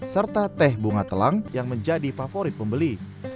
serta teh bunga telang yang menjadi favorit pembeli